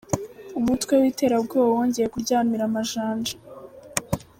umutwe witera bwoba wongeye kuryamira amajanja